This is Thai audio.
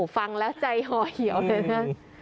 ฟังแล้วใจห่อเหี่ยวเลยนะ